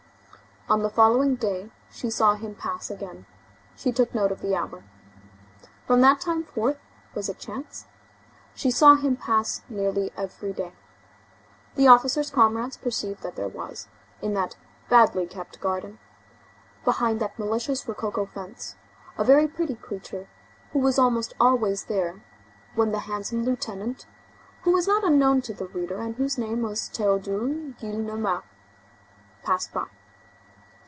On the following day, she saw him pass again. She took note of the hour. From that time forth, was it chance? she saw him pass nearly every day. The officer's comrades perceived that there was, in that "badly kept" garden, behind that malicious rococo fence, a very pretty creature, who was almost always there when the handsome lieutenant,—who is not unknown to the reader, and whose name was Théodule Gillenormand,—passed by.